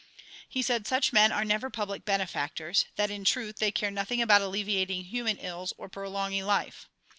He said such men are never public benefactors, that, in truth, they care nothing about alleviating human ills or prolonging life.